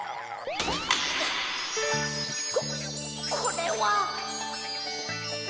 ここれは。